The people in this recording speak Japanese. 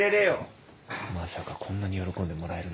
まさかこんなに喜んでもらえるなんて。